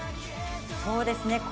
そうですね。